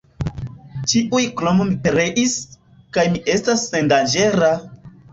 Ĉiuj krom mi pereis, kaj mi estas sendanĝera!